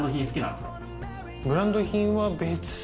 ブランド品は。